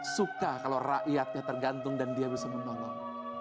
suka kalau rakyatnya tergantung dan dia bisa menolong